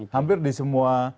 hampir di semua